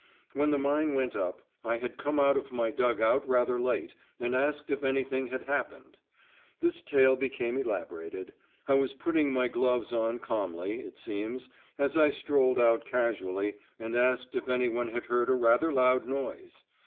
When the mine went up, I had come out of my dug out rather late and asked if anything had happened. This tale became elaborated: I was putting my gloves on calmly, it seems, as I strolled out casually and asked if anyone had heard a rather loud noise!